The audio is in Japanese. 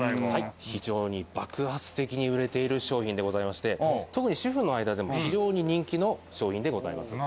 非常に爆発的に売れている商品でございまして、主婦の間でも非常に人気の商品でございます。